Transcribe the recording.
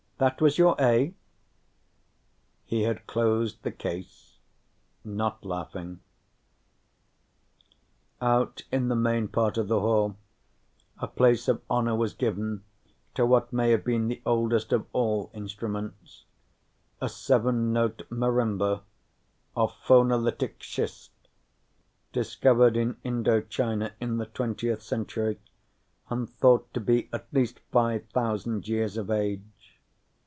"That was your A." He had closed the case, not laughing. Out in the main part of the hall, a place of honor was given to what may have been the oldest of all instruments, a seven note marimba of phonolitic schist discovered in Indo China in the 20th century and thought to be at least 5,000 years of age.